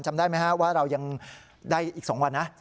จำได้ไหมฮะว่าเรายังได้อีก๒วันนะ